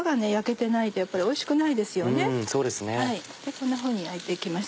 こんなふうに焼いて行きます。